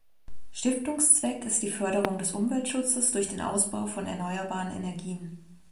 Stiftungszweck ist die Förderung des Umweltschutzes durch den Ausbau von erneuerbaren Energien.